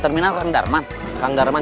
semarang semarang semarang